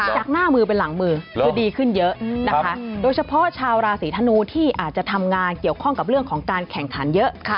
จากหน้ามือเป็นหลังมือคือดีขึ้นเยอะนะคะโดยเฉพาะชาวราศีธนูที่อาจจะทำงานเกี่ยวข้องกับเรื่องของการแข่งขันเยอะ